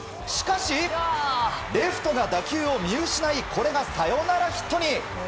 しかし、レフトが打球を見失いこれがサヨナラヒットに！